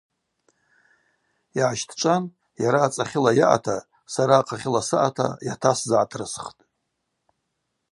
Йгӏащтӏчӏван йара ацӏахьыла йаъата, сара ахъахьыла саъата йатасзыгӏатрысхтӏ.